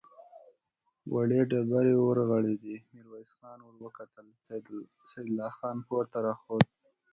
وړې ډبرې ورغړېدې، ميرويس خان ور وکتل، سيدال خان پورته را خوت.